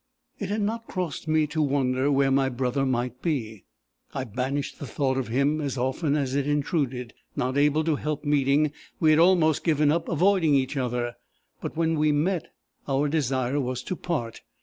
"It had not crossed me to wonder where my brother might be. I banished the thought of him as often as it intruded. Not able to help meeting, we had almost given up avoiding each other; but when we met, our desire was to part.